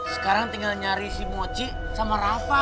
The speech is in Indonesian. sekarang tinggal nyari si mochi sama rafa